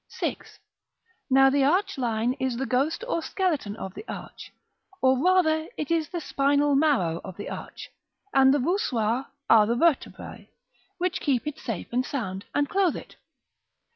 § VI. Now the arch line is the ghost or skeleton of the arch; or rather it is the spinal marrow of the arch, and the voussoirs are the vertebræ, which keep it safe and sound, and clothe it.